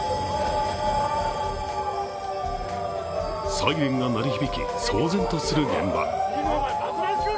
サイレンが鳴り響き、騒然とする現場。